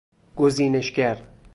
گزینشگر